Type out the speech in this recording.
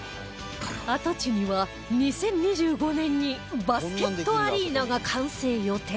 跡地には２０２５年にバスケットアリーナが完成予定